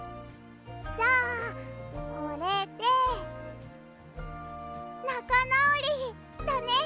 じゃあこれでなかなおりだねっ！